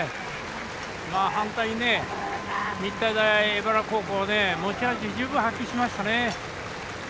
反対に日体大荏原高校は持ち味十分に発揮しましたね。